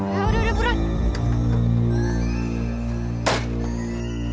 ya udah udah burung